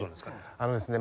あのですね